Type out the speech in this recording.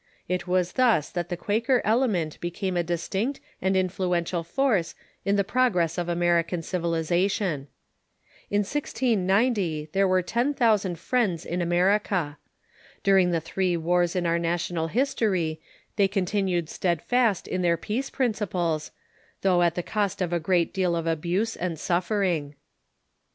It was thus that the Quaker element became a distinct and influential force in the progress of American civilization. In 1690 there were ten thousand Friends in America. During the three wars in our national history they continued steadfast in their peace prin ciples, though at the cost of a great deal of abuse and suf fering.